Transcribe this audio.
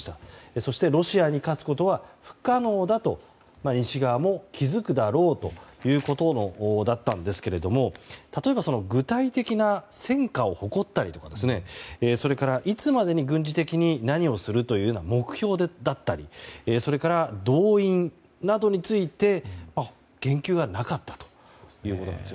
そして、ロシアに勝つことは不可能だと西側も気づくだろうということだったんですが例えば具体的な戦果を誇ったりとかいつまでに軍事的に何をするというような目標だったりそれから動員などについて言及がなかったということです。